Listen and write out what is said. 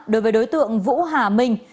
đối với đối tượng vũ hà minh